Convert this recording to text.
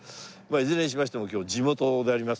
いずれにしましても今日地元であります。